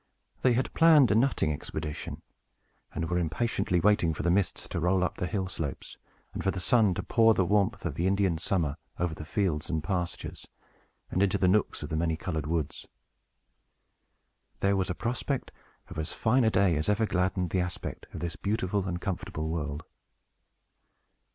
They had planned a nutting expedition, and were impatiently waiting for the mists to roll up the hill slopes, and for the sun to pour the warmth of the Indian summer over the fields and pastures, and into the nooks of the many colored woods. There was a prospect of as fine a day as ever gladdened the aspect of this beautiful and comfortable world.